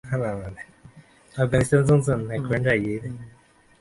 তিনি আলেক্সান্দ্রিয়ার দুর্গে বোমাবর্ষণ করবেন।